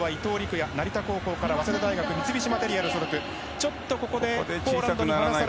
也成田高校から早稲田大学三菱マテリアル所属。